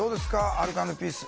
アルコ＆ピース。